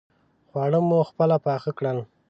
خواړه مو خپله پاخه کړل.